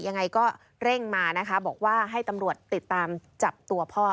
ยังไงก็เร่งมานะคะบอกว่าให้ตำรวจติดตามจับตัวพ่อ